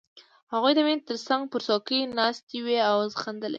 هغوی د مينې تر څنګ پر څوکۍ ناستې وې او خندلې